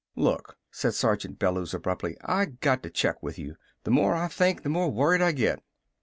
"Look!" said Sergeant Bellews abruptly. "I got to check with you. The more I think, the more worried I get."